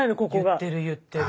言ってる言ってる。